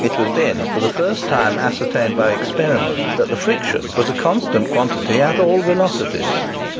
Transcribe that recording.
It was then for the first time ascertained by experiment that the friction was a constant quantity at all velocities.